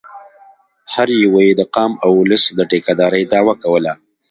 هر یوه یې د قام او اولس د ټیکه دارۍ دعوه کوله.